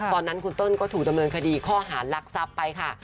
ตอนนั้นคุณเติ้ลก็ถูกดำเนินคดีข้อหารลักทรัพย์ไปค่ะ